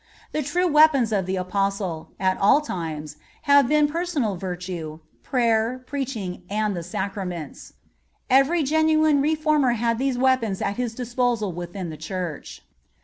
The true weapons of an Apostle, at all times, have been personal virtue, prayer, preaching, and the Sacraments. Every genuine reformer had those weapons at his disposal within the Church.